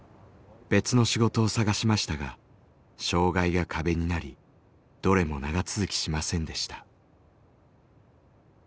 別の仕事を探しましたが障害が壁になりどれも長続きしませんでした。